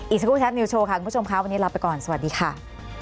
อีกทั้งคู่แทปนิวโชว์ค่ะคุณผู้ชมค่ะวันนี้ลาไปก่อนสวัสดีค่ะ